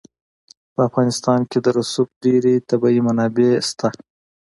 په افغانستان کې د رسوب ډېرې طبیعي منابع شته دي.